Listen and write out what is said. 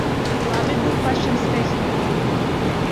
Labi būt pašam skaistākajam.